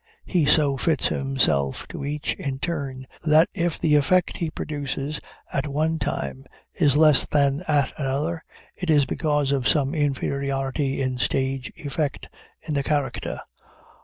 He so fits himself to each in turn, that if the effect he produces at one time is less than at another, it is because of some inferiority in stage effect in the character.